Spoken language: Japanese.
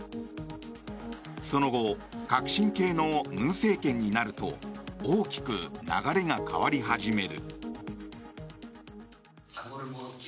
その後、革新系の文政権になると大きく流れが変わり始める。